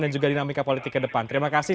dan juga dinamika politik ke depan terima kasih